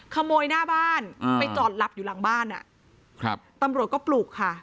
ขโมยหน้าบ้านไปจอดหลับอยู่หลังบ้านอ่ะครับตำรวจก็ปลุกค่ะ